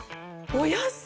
お野菜！